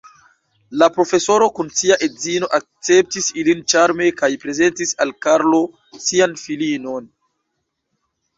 La profesoro kun sia edzino akceptis ilin ĉarme kaj prezentis al Karlo sian filinon.